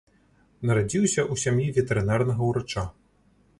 Нарадзіўся ў сям'і ветэрынарнага ўрача.